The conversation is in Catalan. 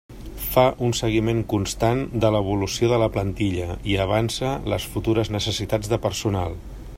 Fa un seguiment constant de l'evolució de la plantilla i avança les futures necessitats de personal.